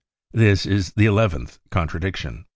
* This is the eleventh contradiction.